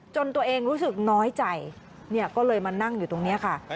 ตัวเองรู้สึกน้อยใจก็เลยมานั่งอยู่ตรงนี้ค่ะ